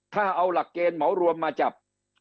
ถ้าเอาหลักเกณฑ์เหมารวมมาจับ